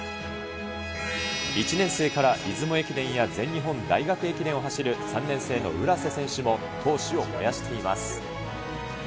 １年生から出雲駅伝や全日本大学駅伝を走る３年生の浦瀬選手も闘志を燃やしています。